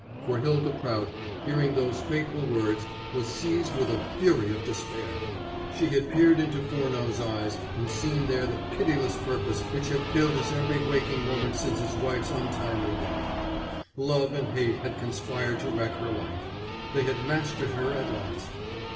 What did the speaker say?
For Hylda Prout, hearing those fateful words, was seized with a fury of despair. She had peered into Furneaux's eyes and seen there the pitiless purpose which had filled his every waking moment since his wife's untimely death. Love and hate had conspired to wreck her life. They had mastered her at last.